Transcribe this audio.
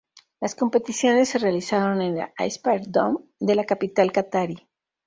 Las competiciones se realizaron en el Aspire Dome de la capital catarí.